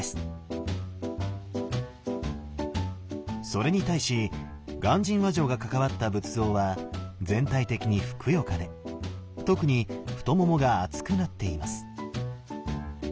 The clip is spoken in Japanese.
それに対し鑑真和上が関わった仏像は全体的にふくよかで特に太ももが厚くなっています。